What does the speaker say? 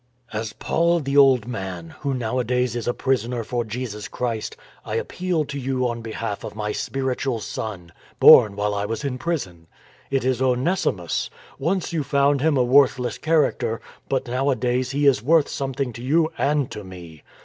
" As Paul, the old man, who nowadays is a prisoner for Jesus Christ, I appeal to you on behalf of my spiritual son, born while I was in prison. It is Onesi mus!^ Once you found him a worthless character, but nowadays he is worth something to you and to me.